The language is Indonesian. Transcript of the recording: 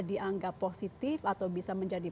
dianggap positif atau bisa menjadi